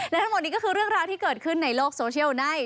และทั้งหมดนี้ก็คือเรื่องราวที่เกิดขึ้นในโลกโซเชียลใน